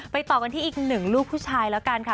ต่อกันที่อีกหนึ่งลูกผู้ชายแล้วกันค่ะ